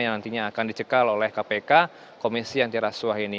yang nantinya akan dicekal oleh kpk komisi antirasuah ini